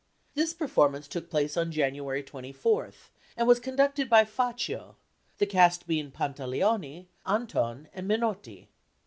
This performance took place on January 24, and was conducted by Faccio, the cast being Pantaleoni, Anton, and Menotti.